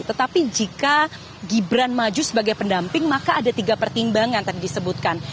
tetapi jika gibran maju sebagai pendamping maka ada tiga pertimbangan tadi disebutkan